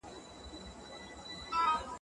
اوازه شوه هیندوستان کې چې انار دي